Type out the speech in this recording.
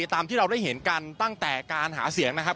ตามที่เราได้เห็นกันตั้งแต่การหาเสียงนะครับ